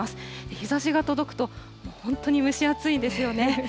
日ざしが届くと、本当に蒸し暑いんですよね。